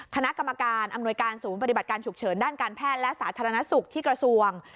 คณะกรรมการอำนวยการศูนย์ปฏิบัติการฉุกเฉินด้านการแพทย์และสาธารณสุขที่กระทรวง